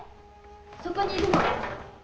そこにいるの。